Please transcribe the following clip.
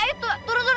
ayo turun turun turun